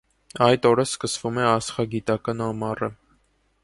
Այդ օրը սկսվում է աստղագիտական ամառը։